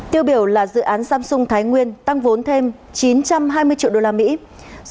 tiêu biểu là dự án samsung thái nguyên tăng vốn thêm một triệu đồng